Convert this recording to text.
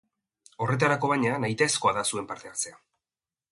Horretarako, baina, nahitaezkoa da zuen parte hartzea.